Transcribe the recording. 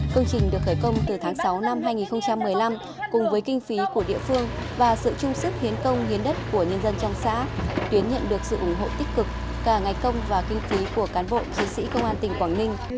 công trình được khởi công từ tháng sáu năm hai nghìn một mươi năm cùng với kinh phí của địa phương và sự trung sức hiến công hiến đất của nhân dân trong xã tuyến nhận được sự ủng hộ tích cực cả ngày công và kinh phí của cán bộ chiến sĩ công an tỉnh quảng ninh